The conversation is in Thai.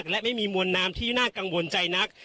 และไม่มีมวลน้ำที่น่ากังวลใจนัก